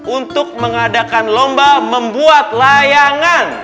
untuk mengadakan lomba membuat layangan